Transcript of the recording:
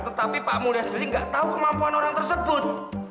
tetapi pak mulya sendiri gak tau kemampuan orang tersebut